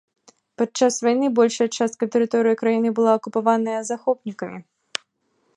Падчас вайны большая частка тэрыторыі краіны была акупаваная захопнікамі.